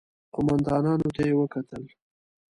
قوماندانانو ته يې وکتل.